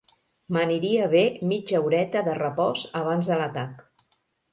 M'aniria bé mitja horeta de repòs abans de l'atac